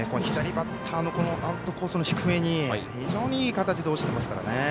左バッターのアウトコースの低めに非常にいい形で落ちていますからね。